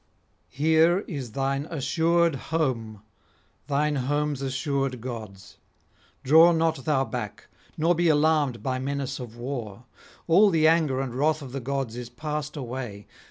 here is thine assured home, thine home's assured gods. Draw not thou back, nor be alarmed by menace of war. All the anger and wrath of the gods is passed away